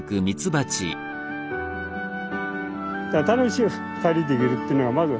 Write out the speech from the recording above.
楽しいよ２人で行けるっていうのがまず。